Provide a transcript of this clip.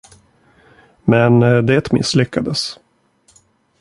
Men det misslyckades.